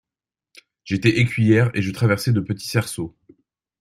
J’étais écuyère et je traversais des petits cerceaux.